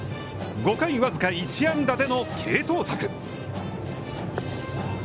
５回僅か１安打での継投策。